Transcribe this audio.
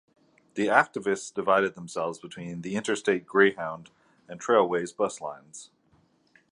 The activists divided themselves between the interstate Greyhound and Trailways bus lines.